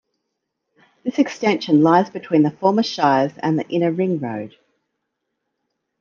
This extension lies between the former Shires and the inner ring-road.